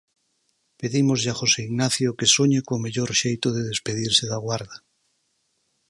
Pedímoslle a José Ignacio que soñe co mellor xeito de despedirse da Guarda.